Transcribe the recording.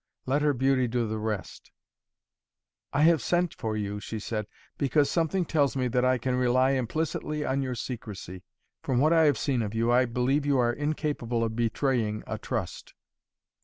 Let her beauty do the rest. "I have sent for you," she said, "because something tells me that I can rely implicitly on your secrecy. From what I have seen of you, I believe you are incapable of betraying a trust."